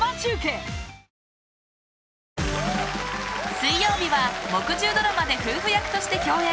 水曜日は木１０ドラマで夫婦役として共演